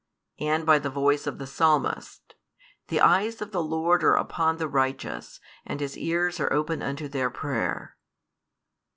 and by the voice of the Psalmist: The eyes of the Lord are upon the righteous, and His ears are open unto their prayer.